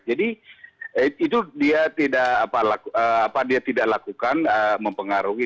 jadi itu dia tidak lakukan mempengaruhi